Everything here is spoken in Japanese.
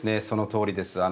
そのとおりです。